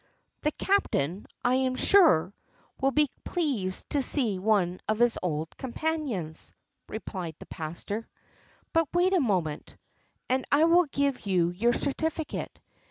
"The captain, I am sure, will be pleased to see one of his old companions," replied the pastor, "but wait a moment, and I will give you your certificate.